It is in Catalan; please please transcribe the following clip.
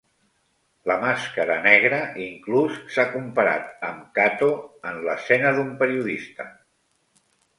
La Màscara Negra inclús s'ha comparat amb Kato en l'escena d'un periodista.